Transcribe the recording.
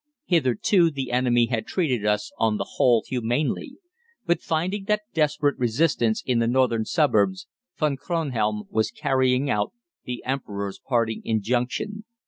Hitherto the enemy had treated us, on the whole, humanely, but finding that desperate resistance in the northern suburbs, Von Kronhelm was carrying out the Emperor's parting injunction.